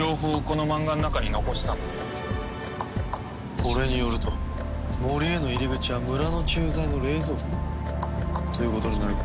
これによると森への入り口は村の駐在の冷蔵庫ということになるが。